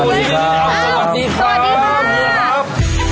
สวัสดีครับ